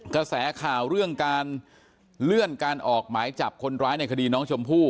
กระแสข่าวเรื่องการเลื่อนการออกหมายจับคนร้ายในคดีน้องชมพู่